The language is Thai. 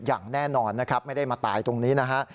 อย่างแน่นอนนะครับไม่ได้มาตายตรงนี้นะฮะ